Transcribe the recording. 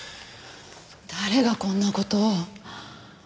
誰がこんな事を。